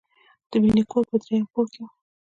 د مینې کور په دریم پوړ کې و